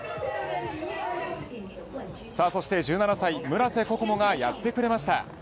そして、１７歳村瀬心椛がやってくれました。